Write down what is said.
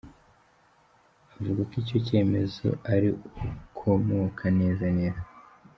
Avuga ko icyo cyemezo ari "ukomoka neza neza".